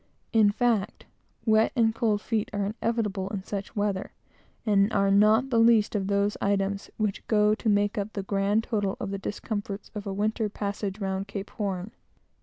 In fact, wet and cold feet are inevitable in such weather, and are not the least of those little items which go to make up the grand total of the discomforts of a winter passage round the Cape.